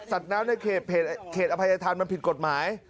แล้วอ่านเข้ามาก่อนไหม